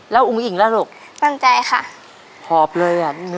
เย็นมากลุ่ม